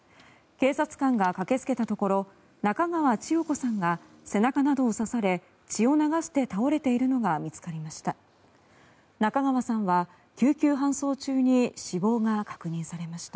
警察官が駆けつけたところ中川千代子さんが背中などを刺され血を流して倒れているのが見つかりました。